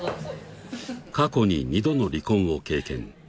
過去に２度の離婚を経験